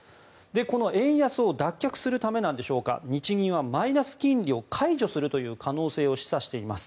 この円安を脱却するためなんでしょうか日銀はマイナス金利を解除するという可能性を示唆しています。